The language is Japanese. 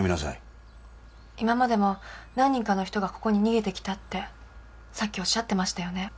今までも何人かの人がここに逃げてきたってさっきおっしゃってましたよね？